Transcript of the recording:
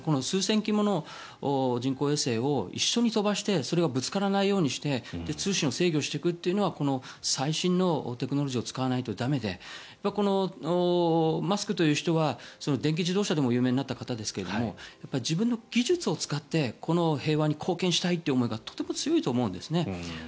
数千基もの人工衛星を一緒に飛ばしてそれがぶつからないようにして通信を制御していくというのは最新のテクノロジーを使わないと駄目でマスクという人は電気自動車でも有名になった方ですが自分の技術を使って平和に貢献したいという思いがとても強いと思うんですね。